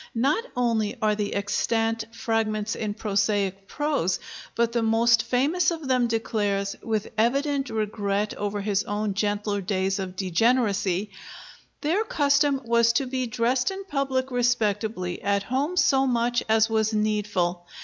Not only are the extant fragments in prosaic prose, but the most famous of them declares, with evident regret over his own gentler days of degeneracy: "Their custom was to be dressed in public respectably, at home so much as was needful.